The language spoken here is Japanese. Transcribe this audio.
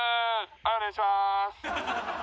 はいお願いします」